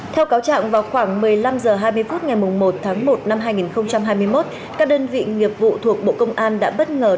theo cáo trạng vào khoảng một mươi năm h hai mươi phút ngày một tháng một năm hai nghìn hai mươi một các đơn vị nghiệp vụ thuộc bộ công an đã bất ngờ